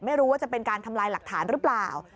ไม่รู้ว่าจะเป็นการทำลายหลักฐานหรือเปล่า